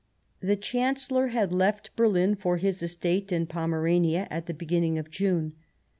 The Chancellor had left Berlin for his estate in Pomerania at the beginning of June.